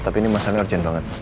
tapi ini masanya urgent banget